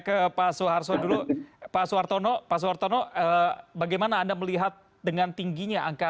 ke pak soeharto dulu pak soeharto no pak soeharto no bagaimana anda melihat dengan tingginya angka